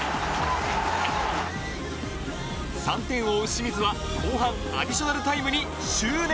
３点を追う清水は後半アディショナルタイムに執念のゴール